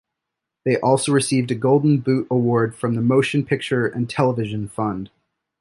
They also received a Golden Boot Award from the Motion Picture and Television Fund.